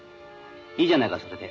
いいじゃないかそれで」